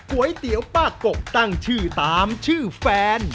ก๋วยเตี๋ยวป้ากกตั้งชื่อตามชื่อแฟน